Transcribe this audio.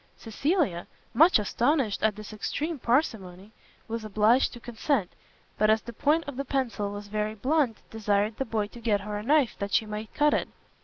Cecilia, much astonished at this extreme parsimony, was obliged to consent, but as the point of the pencil was very blunt, desired the boy to get her a knife that she might cut it.